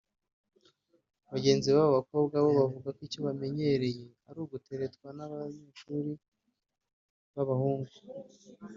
bagenzi babo b’abakobwa bo bavuga ko icyo bamenyereye ari uguteretwa n’abanyeshuri b’abahungu